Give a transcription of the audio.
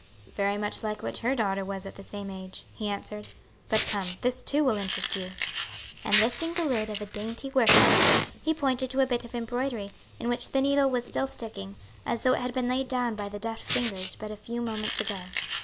"Very much like what her daughter was at the same age," he answered. "But come, this, too, will interest you." And lifting the lid of a dainty work basket, he pointed to a bit of embroidery, in which the needle was still sticking, as though it had been laid down by the deft fingers but a few moments ago.